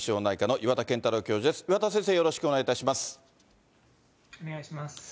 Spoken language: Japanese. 岩田先生、よろしくお願いいたします。